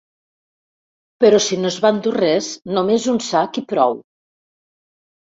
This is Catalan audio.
Però si no es va endur res, només un sac i prou.